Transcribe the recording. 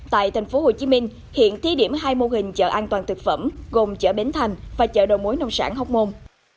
tại tp hcm hiện thi điểm hai mô hình chợ an toàn thực phẩm gồm chợ bến thành và chợ đầu mối nông sản hóc môn